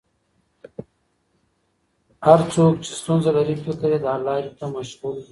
هر څوک چې ستونزه لري، فکر یې د حل لارې ته مشغول وي.